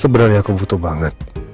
sebenarnya aku butuh banget